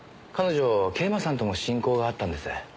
彼女桂馬さんとも親交があったんです。